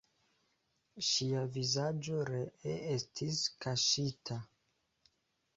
Ŝia vizaĝo ree estis kaŝita.